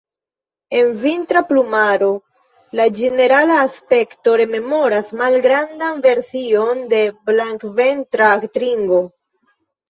En vintra plumaro, la ĝenerala aspekto rememoras malgrandan version de Blankventra tringo.